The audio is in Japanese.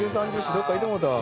どっか行ってもうたわ。